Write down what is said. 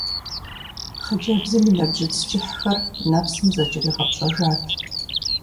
Хъыджэбзым и нэбжьыц кӀыхьхэр нэпсым зэкӀэригъэпщӀэжат.